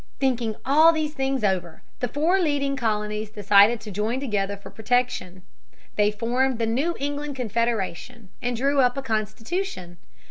Thinking all these things over, the four leading colonies decided to join together for protection. They formed the New England Confederation, and drew up a constitution.